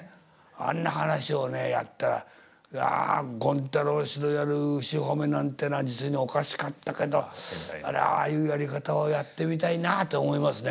あんな噺をねやったらいや権太楼師のやる「牛ほめ」なんてのは実におかしかったけどああいうやり方をやってみたいなと思いますね。